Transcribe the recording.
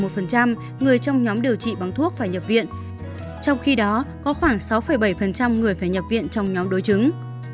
trong khi đó có khoảng sáu bảy người phải nhập viện trong nhóm đối chứng